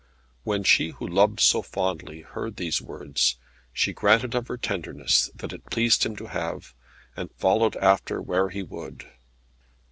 When she who loved so fondly heard these words, she granted of her tenderness what it pleased him to have, and followed after where he would.